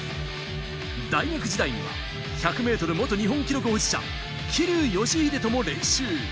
大学時代には１００ｍ元日本記録保持者、桐生祥秀とも練習。